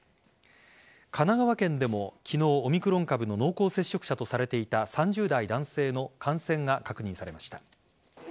神奈川県でも、昨日オミクロン株の濃厚接触者とされていた３０代男性の感染が確認されました。